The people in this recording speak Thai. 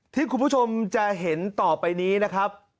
ที่คุณผู้ชมจะเห็นต่อไปนี้นะครับ